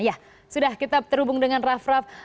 ya sudah kita terhubung dengan raff raff